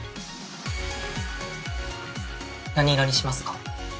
何色にしますか？